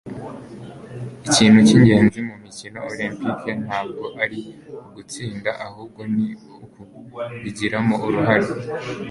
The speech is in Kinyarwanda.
ikintu cyingenzi mumikino olempike ntabwo ari ugutsinda ahubwo ni ukubigiramo uruhare